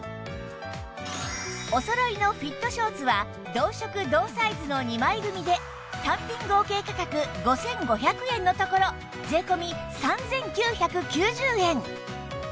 おそろいのフィットショーツは同色同サイズの２枚組で単品合計価格５５００円のところ税込３９９０円